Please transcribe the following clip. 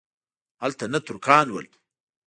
هلته نه ترکان ول.